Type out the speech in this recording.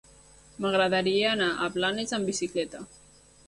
M'agradaria anar a Blanes amb bicicleta.